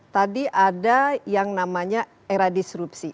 tadi ada yang namanya era disrupsi